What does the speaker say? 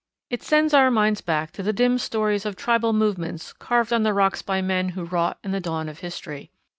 It sends our minds back to the dim stories of tribal movements carved on the rocks by men who wrought in the dawn of history.